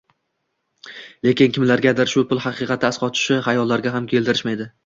Lekin kimlargadir shu pul haqiqatda asqotishini xayollariga ham keltirishmaydi.